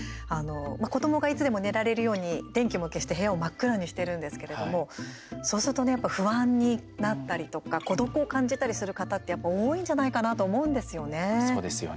子どもがいつでも寝られるように電気も消して部屋を真っ暗にしているんですけれどもそうするとね不安になったりとか孤独を感じたりする方ってやっぱり多いんじゃないかなとそうですよね。